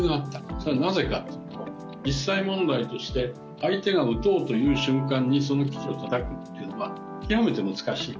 それはなぜか、実際問題として相手が撃とうという瞬間に、その基地をたたくっていうのは極めて難しい。